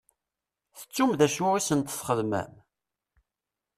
Tettum d acu i sent-txedmem?